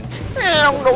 eh enggak boleh